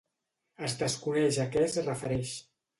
Es desconeix a què es refereix.